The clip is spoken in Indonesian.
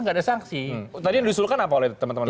nggak ada sanksi tadi yang diusulkan apa oleh teman teman